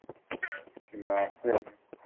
Jemɛen-ten.